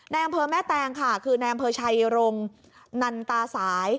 อำเภอแม่แตงค่ะคือในอำเภอชัยรงนันตาสาย